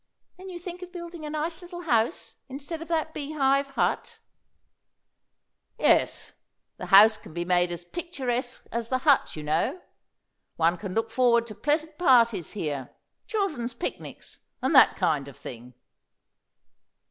"Then you think of building a nice little house instead of that bee hive hut?" "Yes; the house can be made as picturesque as the hut, you know. One can look forward to pleasant parties here children's picnics, and that kind of thing."